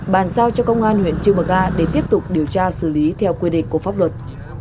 bàn sao cho công an huyện trương bờ ga để tiếp tục điều tra xử lý theo quy định của pháp luật